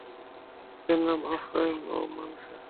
তাদের নাম আফরাইম ও মানশা।